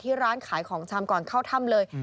ร้านขายของชำก่อนเข้าถ้ำเลย